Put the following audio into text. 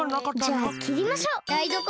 じゃあきりましょう。